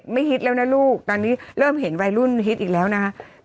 ฮิตแล้วนะลูกตอนนี้เริ่มเห็นวัยรุ่นฮิตอีกแล้วนะคะ